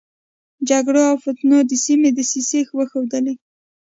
جګړو او فتنو د سيمې دسيسې وښودلې.